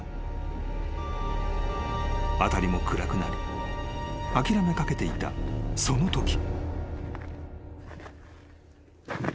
［辺りも暗くなり諦めかけていたそのとき］